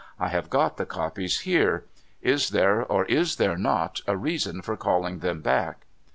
I have got the copies here. Is there, or is there not, a reason for calling them back?'